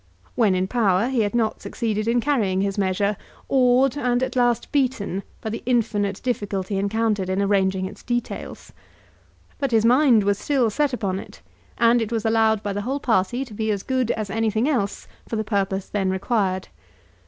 When in power, he had not succeeded in carrying his measure, awed, and at last absolutely beaten, by the infinite difficulty encountered in arranging its details. But his mind was still set upon it, and it was allowed by the whole party to be as good as anything else for the purpose then required.